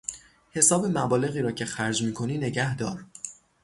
حساب مبالغی را که خرج میکنی نگهدار.